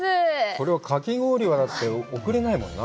これは、かき氷は送れないもんな。